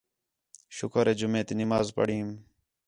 شُکر ہِے جُمعہ تی نماز پڑھئیم